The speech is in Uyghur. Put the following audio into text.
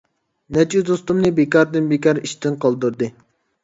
نەچچە دوستۇمنى بىكاردىن-بىكار ئىشتىن قالدۇردى.